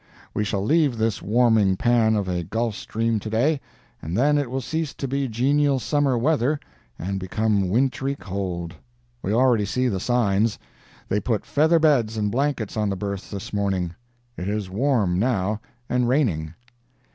We shall leave this warming pan of a Gulf Stream to day, and then it will cease to be genial summer weather and become wintry cold. We already see the signs—they put feather beds and blankets on the berths this morning. It is warm, now, and raining.